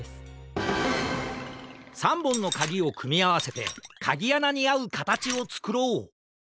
３ぼんのかぎをくみあわせてかぎあなにあうかたちをつくろう！